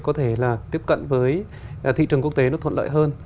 có thể là tiếp cận với thị trường quốc tế nó thuận lợi hơn